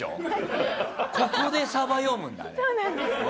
ここでサバ読むんだね。